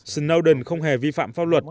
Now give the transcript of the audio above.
snowden không hề vi phạm pháp luật